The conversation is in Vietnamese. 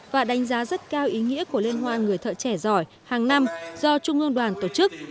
và đánh giá rất cao ý nghĩa của liên hoa người thợ trẻ giỏi hàng năm do trung ương đoàn tổ chức